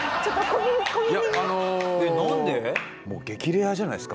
もう激レアじゃないですか。